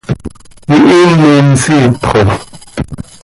¡Ihiini nsiip xo!